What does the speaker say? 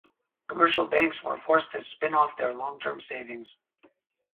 Commercial banks were forced to spin off their long-term savings.